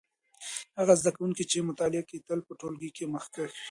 هغه زده کوونکی چې مطالعه کوي تل په ټولګي کې مخکښ وي.